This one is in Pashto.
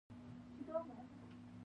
کوربه د کور صفا ساتي.